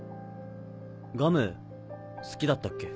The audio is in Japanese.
ガム好きだったっけ？